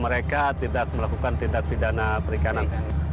mereka tidak melakukan tindak pidana perikanan